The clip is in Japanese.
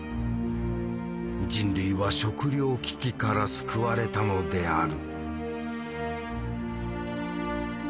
人類は食糧危機から救われたのである。